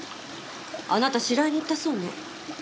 あなた白井に言ったそうね。